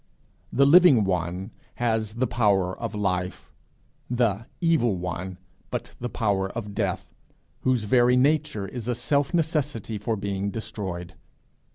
The Living One has the power of life; the Evil One but the power of death whose very nature is a self necessity for being destroyed.